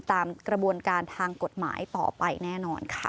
ตามกระบวนการทางกฎหมายต่อไปแน่นอนค่ะ